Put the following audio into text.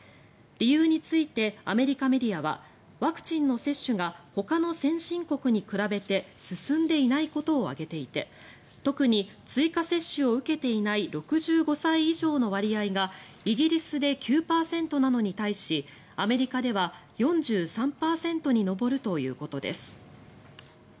理由についてアメリカメディアはワクチンの接種がほかの先進国に比べて進んでいないことを挙げていて特に追加接種を受けていない６５歳以上の割合がイギリスで９％なのに対しアメリカでは４３％に上るということです。